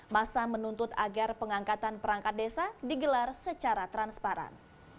masa menuntut agar pengangkatan perangkat desa digelar secara transparan